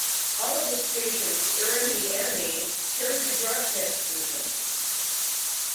All of the stations airing the anime carried the broadcast version.